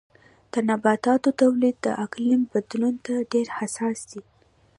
د نباتاتو تولید د اقلیم بدلون ته ډېر حساس دی.